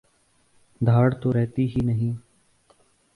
دھاڑ تو رہتی ہی نہیں۔